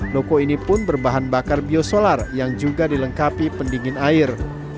loko ini pun berbahan bakar biosolar yang juga dilengkapi pendingin air